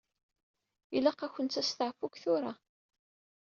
Ilaq-akent usteɛfu seg tura.